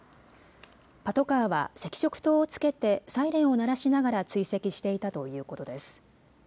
パトカーは赤色灯をつけてサイレンを鳴らしながら追跡していたということです。